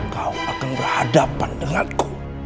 kau akan berhadapan denganku